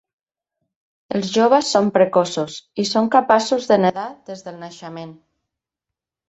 Els joves són precoços, i són capaços de nedar des del naixement.